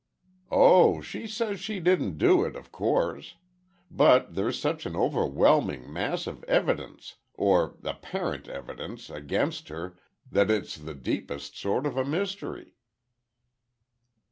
"Oh, she says she didn't do it, of course. But there's such an overwhelming mass of evidence—or, apparent evidence against her, that it's the deepest sort of a mystery."